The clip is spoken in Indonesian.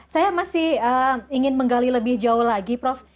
saya masih ingin menggali lebih jauh lagi prof